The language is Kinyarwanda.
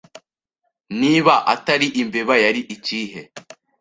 Niba atari imbeba, yari ikihe?